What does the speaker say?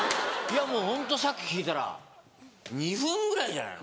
ホントさっき聞いたら２分ぐらいじゃないの？